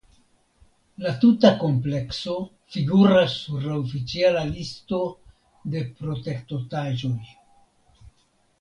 La tuta komplekso figuras sur la oficiala listo de protektotaĵoj.